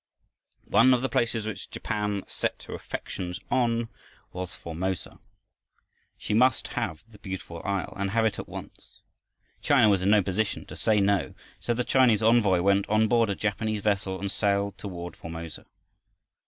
One of the places which Japan set her affections on was Formosa. She must have the Beautiful Isle and have it at once. China was in no position to say no, so the Chinese envoy went on board a Japanese vessel and sailed toward Formosa.